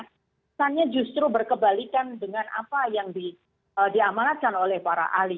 kesannya justru berkebalikan dengan apa yang diamanatkan oleh para ahli